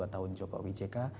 dua tahun jokowi jk